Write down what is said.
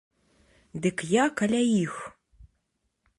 Дык я каля іх.